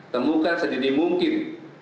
temukan sedikit mungkin